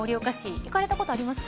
行かれたことありますか。